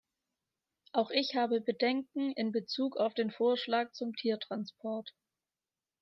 Auch ich habe Bedenken in Bezug auf den Vorschlag zum Tiertransport.